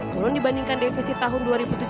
turun dibandingkan defisit tahun dua ribu tujuh belas